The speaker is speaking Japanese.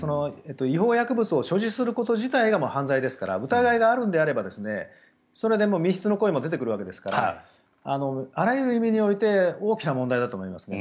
違法薬物を所持すること自体が犯罪ですから疑いがあるのであればそれで未必の故意も出てくるわけですからあらゆる意味において大きな問題だと思いますね。